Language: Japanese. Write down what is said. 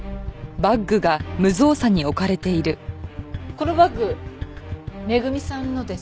このバッグ恵さんのですか？